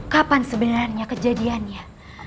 kapan sebenarnya kejadiannya